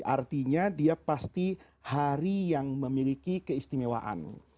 artinya dia pasti hari yang memiliki keistimewaan